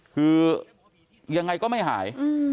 คือยังไงก็ไม่หาย